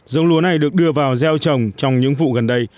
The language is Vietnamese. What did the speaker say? giống lúa này được đưa vào gieo trồng trong những vụ gần đây